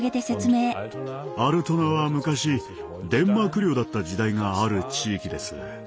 アルトナは昔デンマーク領だった時代がある地域です。